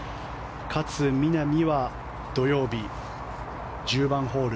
勝みなみは土曜日１０番ホール